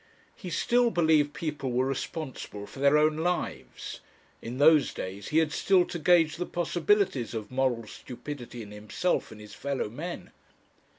He still believed people were responsible for their own lives; in those days he had still to gauge the possibilities of moral stupidity in himself and his fellow men.